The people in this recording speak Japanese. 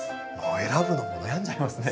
選ぶのも悩んじゃいますね。